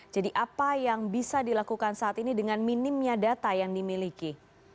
jadi apa yang bisa dilakukan saat ini dengan minimnya data yang dimiliki